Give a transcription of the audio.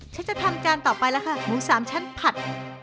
ฉันจะทำจานต่อไปแล้วค่ะหมูสามชั้นผัด